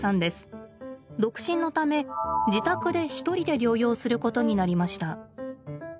独身のため自宅で一人で療養することになりました。